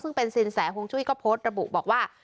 ซึ่งเป็นสินแสฮวงจุ้ยก็โพสต์ระบุบอกว่า